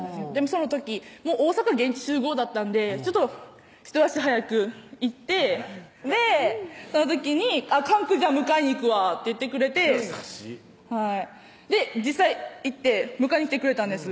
その時大阪現地集合だったんでひと足早く行ってその時に「関空迎えに行くわ」って言ってくれて優しいはい実際行って迎えに来てくれたんです